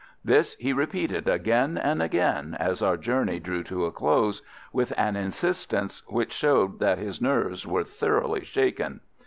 This he repeated again and again as our journey drew to a close, with an insistence which showed that his nerves were thoroughly shaken.